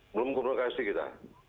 belum komunikasi kita